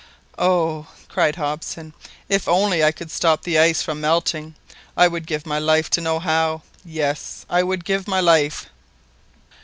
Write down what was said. "Oh!" cried Hobson, "if only I could stop the ice from melting! I would give my life to know how! Yes, I would give my life!"